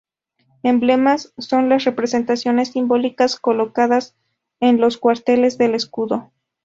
Emblemas son las representaciones simbólicas colocadas en los cuarteles del escudo.